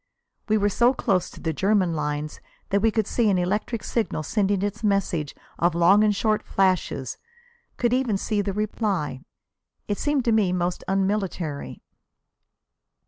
We were so close to the German lines that we could see an electric signal sending its message of long and short flashes, could even see the reply. It seemed to me most unmilitary.